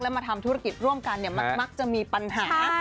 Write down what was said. มาทำธุรกิจร่วมกันมักจะมีปัญหา